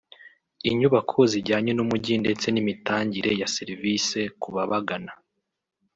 inyubako zijyanye n’umujyi ndetse n’imitangire ya service ku babagana